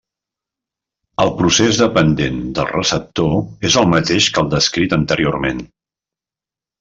El procés dependent del receptor és el mateix que el descrit anteriorment.